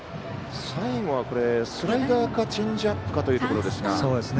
最後は、スライダーかチェンジアップかというところですが。